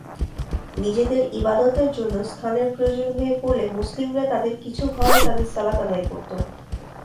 নিজেদের ইবাদতের জন্য স্থানের প্রয়োজন হয়ে পড়লে, মুসলিমরা তাদের কিছু ঘরে তাদের সালাত আদায় করত।